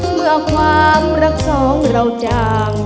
เมื่อความรักสองเราจาง